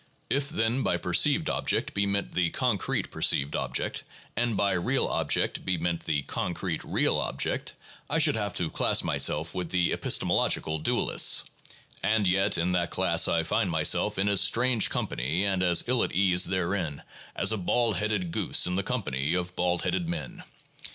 If then by perceived object be meant the concrete perceived object, and by real object be meant the concrete real object, I should have to class myself with the epistemological dualists, and yet in that class I find myself in as strange company and as ill at ease therein as a bald headed goose in the company of bald headed men.